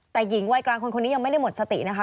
แต่หญิงวัยกลางคนคนนี้ยังไม่ได้หมดสตินะคะ